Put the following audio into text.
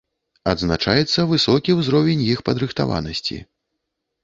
Адзначаецца высокі ўзровень іх падрыхтаванасці.